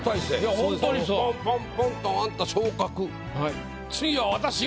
ポンポンポンとあんた昇格。